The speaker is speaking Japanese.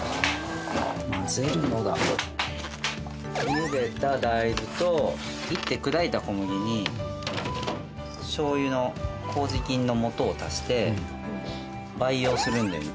ゆでた大豆と炒って砕いた小麦に醤油の麹菌のもとを足して培養するんだよね。